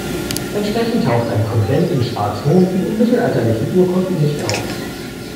Entsprechend taucht ein Konvent in Schwarzhofen in mittelalterlichen Urkunden nicht auf.